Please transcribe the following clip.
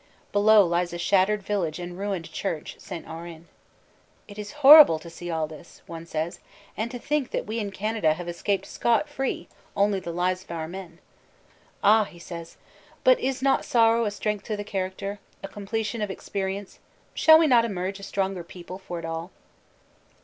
Below lies a shattered village and ruined church St. Aurin. "It is horrible to see all this," one says, "and to think that we in Canada have escaped scot free only the lives of our men." "Ah," he says, "but is not sorrow a strength to the character, a completion of experience shall we not emerge a stronger people for it all?"